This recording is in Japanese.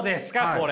これ。